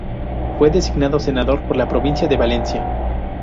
Fue designado senador por la provincia de Valencia.